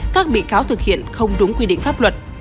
các bị cáo thực hiện không đúng quy định pháp luật